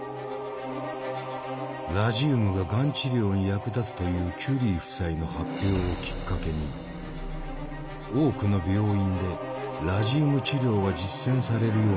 ラジウムががん治療に役立つというキュリー夫妻の発表をきっかけに多くの病院でラジウム治療が実践されるようになっていた。